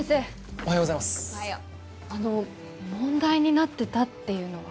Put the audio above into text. おはようあの問題になってたっていうのは？